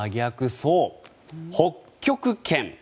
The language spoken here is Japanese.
そう、北極圏。